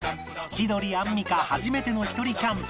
千鳥アンミカ初めてのひとりキャンプ